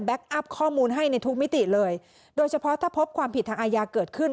อัพข้อมูลให้ในทุกมิติเลยโดยเฉพาะถ้าพบความผิดทางอาญาเกิดขึ้น